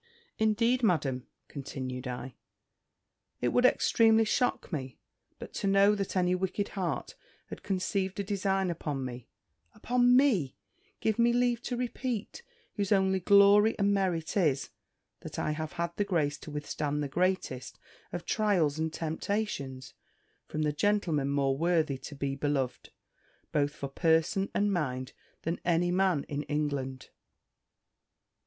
Indeed, Madam," continued I, "it would extremely shock me, but to know that any wicked heart had conceived a design upon me; upon me, give me leave to repeat, whose only glory and merit is, that I have had the grace to withstand the greatest of trials and temptations, from a gentleman more worthy to be beloved, both for person and mind, than any man in England."